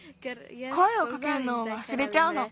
こえをかけるのをわすれちゃうの。